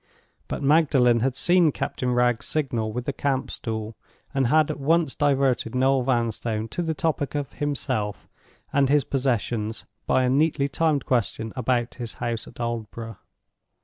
But Magdalen had seen Captain Wragge's signal with the camp stool, and had at once diverted Noel Vanstone to the topic of himself and his possessions by a neatly timed question about his house at Aldborough.